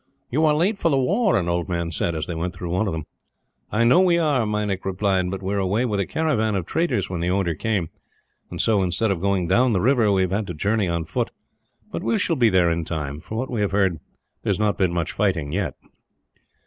"You are late for the war," an old man said, as they went through one of them. "I know we are," Meinik replied, "but we were away with a caravan of traders when the order came; and so, instead of going down the river, we have had to journey on foot. But we shall be there in time. From what we have heard, there has not been much fighting, yet."